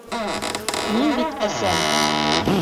Мин бит әсәм.